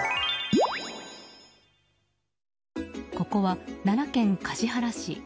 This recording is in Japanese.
ここは奈良県橿原市。